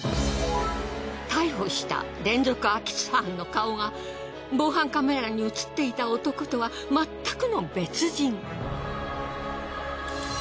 逮捕した連続空き巣犯の顔が防犯カメラに映っていた男とはまったくの別人。